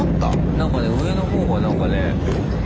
何かね上の方が何かね。